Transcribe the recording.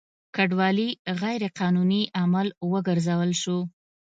کډوالي غیر قانوني عمل وګرځول شو.